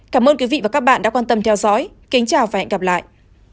cảm ơn các bạn đã quan tâm theo dõi